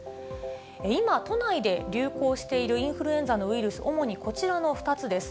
今、都内で流行しているインフルエンザのウイルス、主にこちらの２つです。